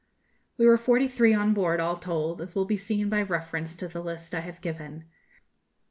We were forty three on board, all told, as will be seen by reference to the list I have given.